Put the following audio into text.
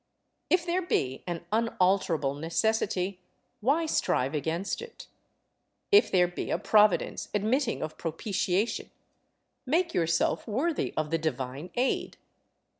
If there be an unalterable necessity, why strive against it? If there be a Providence admitting of propitiation, make yourself worthy of the divine aid.